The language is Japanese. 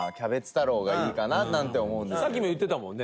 タカ：さっきも言ってたもんね。